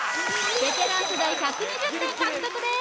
ベテラン世代１２０点獲得です